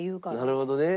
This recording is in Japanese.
なるほどね。